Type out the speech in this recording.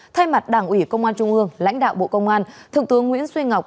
thay mặt đảng ủy công an trung ương lãnh đạo bộ công an thượng tướng nguyễn duy ngọc